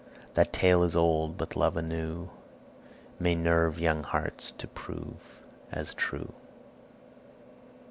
That tale is old, but love anew May nerve young hearts to prove as true."